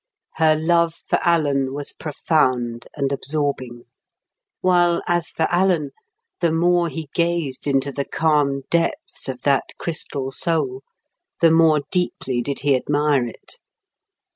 Her love for Alan was profound and absorbing; while as for Alan, the more he gazed into the calm depths of that crystal soul, the more deeply did he admire it.